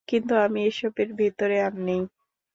কিন্তু আমি এসবের ভেতরে আর নেই।